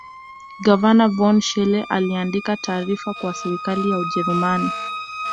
Gavana von Schele aliandika taarifa kwa serikali ya Ujerumani